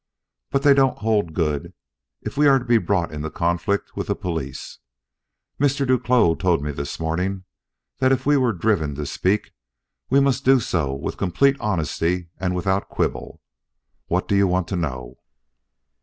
But they don't hold good if we are to be brought into conflict with the police. Mr. Duclos told me this morning that if we were driven to speak we must do so with complete honesty and without quibble. What do you want to know?"